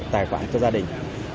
tài khoản cho gia đình